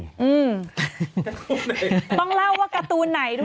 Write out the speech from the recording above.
อืมต้องเล่าว่าการ์ตูนไหนด้วย